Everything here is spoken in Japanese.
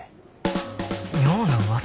妙な噂？